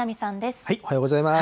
おはようございます。